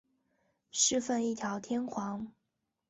侍奉一条天皇。